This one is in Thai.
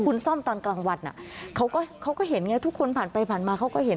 คุณซ่อมตอนกลางวันเขาก็เขาก็เห็นไงทุกคนผ่านไปผ่านมาเขาก็เห็น